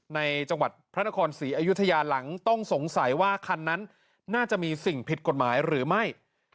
ในจังหวัดพระนครศรีอยุธยาหลังต้องสงสัยว่าคันนั้นน่าจะมีสิ่งผิดกฎหมายหรือไม่